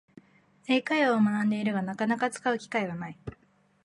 英会話を学んでいるが、なかなか使う機会がない